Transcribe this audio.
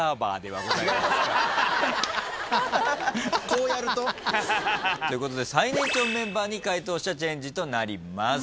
こうやると。ということで最年長メンバーに解答者チェンジとなります。